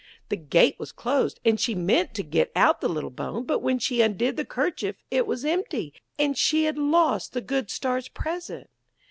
The gate was closed, and she meant to get out the little bone. But when she undid the kerchief it was empty, and she had lost the good Star's present.